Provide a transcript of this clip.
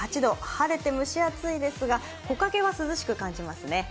晴れて蒸し暑いですが、木陰は涼しく感じますね。